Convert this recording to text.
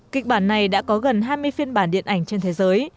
kịch bản này đã có gần hai mươi phiên bản điện ảnh trên thế giới